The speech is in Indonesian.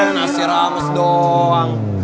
nasi rames doang